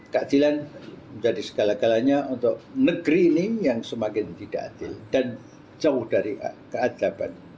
keadilan menjadi segala galanya untuk negeri ini yang semakin tidak adil dan jauh dari keadaban